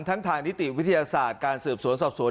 ทางนิติวิทยาศาสตร์การสืบสวนสอบสวน